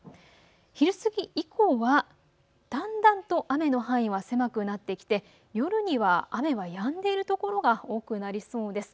昼過ぎ以降はだんだんと雨の範囲は狭くなってきて夜には雨はやんでいる所が多くなりそうです。